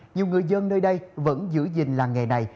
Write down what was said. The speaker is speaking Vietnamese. nhiều người dân nơi đây vẫn giữ gìn làng nghề này